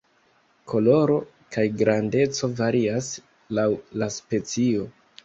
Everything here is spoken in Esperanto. Koloro kaj grandeco varias laŭ la specio.